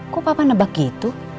kok papa nebak gitu